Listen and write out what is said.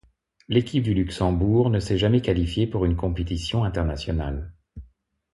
L'équipe du Luxembourg ne s'est jamais qualifiée pour une compétition internationale.